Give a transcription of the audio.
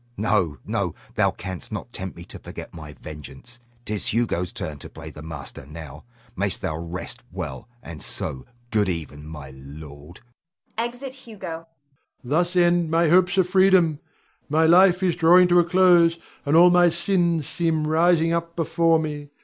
No, no; thou canst not tempt me to forget my vengeance. 'Tis Hugo's turn to play the master now. Mayst thou rest well, and so, good even, my lord. [Exit Hugo. Rod. Thus end my hopes of freedom. My life is drawing to a close, and all my sins seem rising up before me.